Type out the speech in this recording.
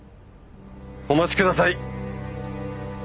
お待ちください。